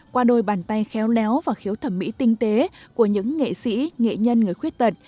qua đôi bàn tay khéo léo và khiếu thẩm mỹ tinh tế của những nghệ sĩ nghệ nhân người khuyết tật